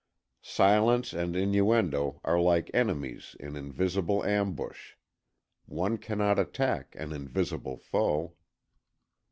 Silence and innuendo are like enemies in invisible ambush. One cannot attack an invisible foe.